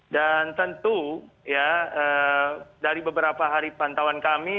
dan tentu ya dari beberapa hari pantauan kami